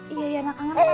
iya ya nak kangen papa ya